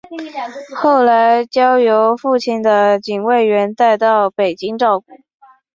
后来交由父亲的警卫员带到北京照顾。